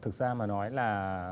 thực ra mà nói là